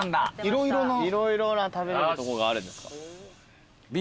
色々な食べれるとこがあるんですか？